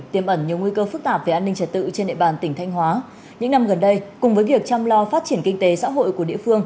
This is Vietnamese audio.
tiêm ẩn nhiều nguy cơ phức tạp